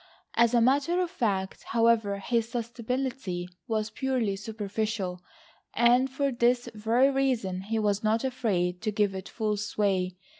As a matter of fact, however, his susceptibility was purely superficial, and for this very reason he was not afraid to give it full sway.